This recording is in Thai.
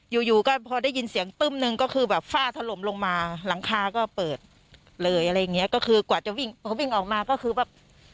อยู่อยู่ก็พอได้ยินเสียงตึ้มหนึ่งก็คือแบบฝ้าถล่มลงมาหลังคาก็เปิดเลยอะไรอย่างเงี้ยก็คือกว่าจะวิ่งพอวิ่งออกมาก็คือแบบ